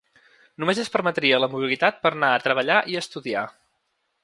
Només es permetria la mobilitat per a anar a treballar i estudiar.